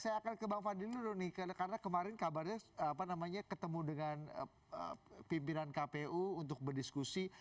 saya akan ke bang fadli dulu nih karena kemarin kabarnya ketemu dengan pimpinan kpu untuk berdiskusi